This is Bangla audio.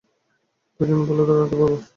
প্রয়োজন পড়লে ধরে রাখতে পারবো।